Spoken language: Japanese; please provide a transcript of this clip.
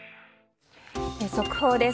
速報です。